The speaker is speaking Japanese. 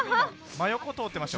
真横、通ってました。